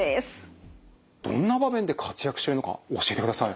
どんな場面で活躍してるのか教えてください。